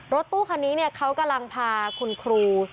รถตู้คันนี้เขากำลังพาคุณครู